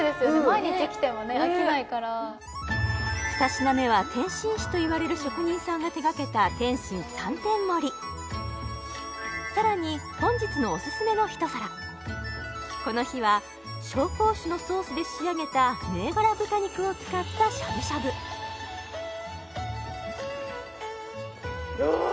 ２品目は点心師といわれる職人さんが手がけた点心３点盛りさらに本日のおすすめの一皿この日は紹興酒のソースで仕上げた銘柄豚肉を使ったしゃぶしゃぶうん